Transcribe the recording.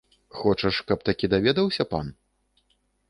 Хочаш, каб такі даведаўся пан?!